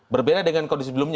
berbeda dengan kondisi sebelumnya